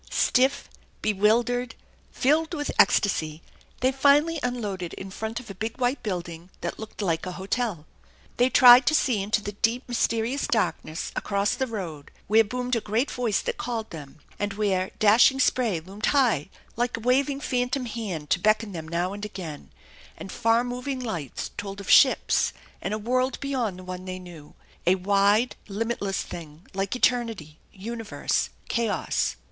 " Stiff, bewildered, filled with ecstasy, they finally unloaded in front of a big white building that looked like a hotel. They tried to see into the deep, mysterious darkness across the 228 THE ENCHANTED BARN road, where boomed a great voice that called them, and where dashing spray loomed high like a waving phantom hand to beckon them now and again, and far moving lights told of ships and a world beyond the one they knew, a wide, limit less thing like eternity, universe, chaos.